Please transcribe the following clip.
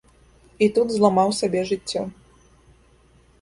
І тут зламаў сабе жыццё.